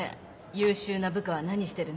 優秀な部下は何してるの？